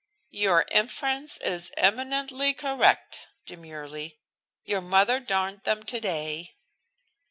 "Your inference is eminently correct," demurely. "Your mother darned them today."